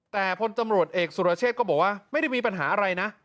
แต่พลตำรวจเอกสุรเชษก็บอกว่าไม่ได้มีปัญหาอะไรนะ